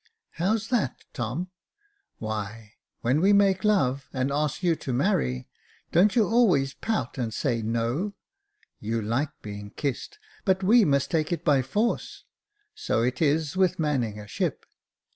"How's that, Tom.?" ''Why, when we make love, and ask you to marry, don't you always pout, and say, * No '? You like being kissed, but we must take it by force. So it is with manning a ship.